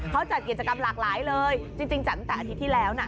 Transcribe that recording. เขาจัดกิจกรรมหลากหลายเลยจริงจัดตั้งแต่อาทิตย์ที่แล้วนะ